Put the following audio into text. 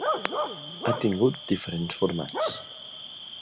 Ha tingut diferents formats.